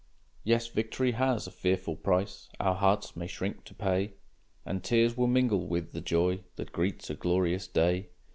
Yes, victory has a fearful price Our hearts may shrink to pay, And tears will mingle with the joy That greets a glorious day.